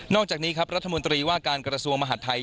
อกจากนี้ครับรัฐมนตรีว่าการกระทรวงมหาดไทย